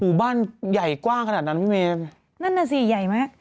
อุบันใหญ่กว้างขนาดนั้นนั้นน่ะสิใหญ่มาก